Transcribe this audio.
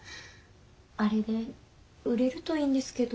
アレで売れるといいんですけど。